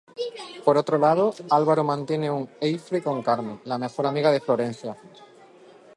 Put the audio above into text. Por otro lado, Álvaro mantiene un affaire con Carmen, la mejor amiga de Florencia.